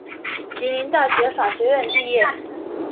吉林大学法学院毕业。